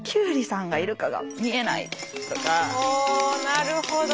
なるほど。